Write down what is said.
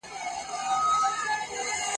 ښورواگاني يې څټلي د كاسو وې !.